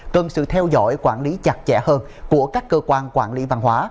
cần sự theo dõi quản lý chặt chẽ hơn của các cơ quan quản lý văn hóa